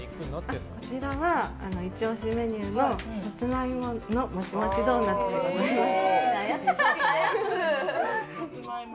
こちらはイチ押しメニューのサツマイモのもちもちドーナツです。